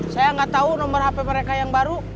saya nggak tahu nomor hp mereka yang baru